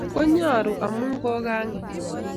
konya ru amu kokanget